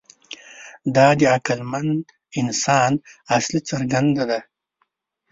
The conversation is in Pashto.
دا د عقلمن انسان اصلي ځانګړنه ده.